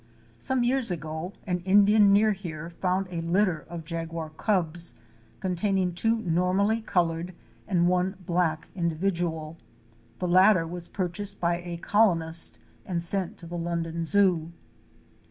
Some years ago an Indian near here found a litter of jaguar cubs containing two normally colored and one black individual. The latter was purchased by a colonist and sent to the London Zoo.